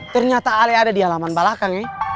ternyata ale ada di halaman balakang nih